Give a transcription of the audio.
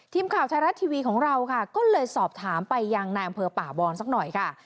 ทีมข่าวไทยรัฐทีวีของเราค่ะก็เลยสอบถามไปยังนายอำเภอป่าบอนสักหน่อยค่ะ